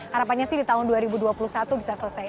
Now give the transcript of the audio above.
harapannya sih di tahun dua ribu dua puluh satu bisa selesai